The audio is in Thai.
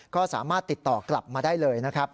ก็สามารถติดต่อกลับมาได้เลยนะครับ